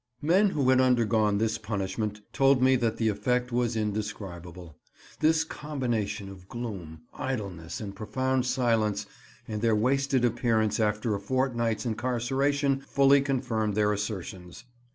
Men who had undergone this punishment told me that the effect was indescribable, this combination of gloom, idleness, and profound silence, and their wasted appearance after a fortnight's incarceration fully confirmed their assertions.